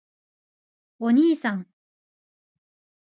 おにいさん！！！